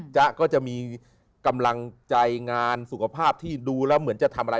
ก็จะมีกำลังใจงานสุขภาพที่ดูแล้วเหมือนจะทำอะไร